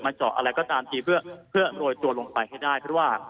เจาะอะไรก็ตามทีเพื่อโรยตัวลงไปให้ได้เพราะว่า